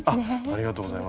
ありがとうございます。